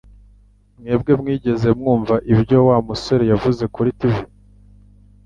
Mwebwe mwigeze mwumva ibyo Wa musore yavuze kuri TV?